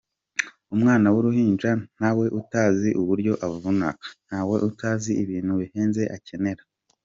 Umwana w’uruhinja ntawe utazi uburyo avuna, ntawe utazi ibintu bihenze akenera.